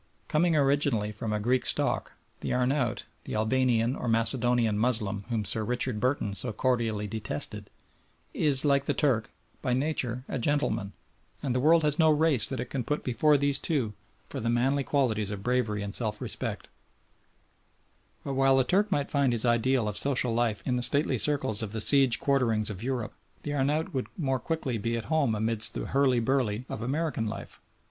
Coming originally from a Greek stock the Arnaout the Albanian or Macedonian Moslem whom Sir Richard Burton so cordially detested is, like the Turk, by nature a gentleman, and the world has no race that it can put before these two for the manly qualities of bravery and self respect; but while the Turk might find his ideal of social life in the stately circles of the Seize Quarterings of Europe, the Arnaout would more quickly be at home amidst the hurly burly of American life.